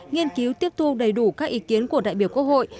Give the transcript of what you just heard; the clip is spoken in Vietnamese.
nghiên cứu tiếp thu đầy đủ các ý kiến của đại biểu quốc hội